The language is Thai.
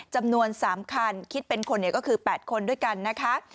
จำนวน๓คันคิดเป็นคนก็คือ๘คนด้วยกันนะคะ